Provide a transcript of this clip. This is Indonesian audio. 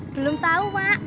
belum tahu mak